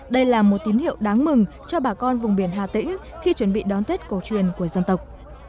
đây là một tín hiệu đáng mừng cho bà con vùng biển hà tĩnh khi chuẩn bị đón tết cổ truyền của dân tộc